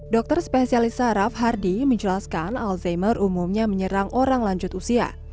dokter spesialis saraf hardy menjelaskan alzheimer umumnya menyerang orang lanjut usia